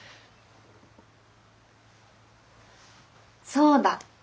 そうだ！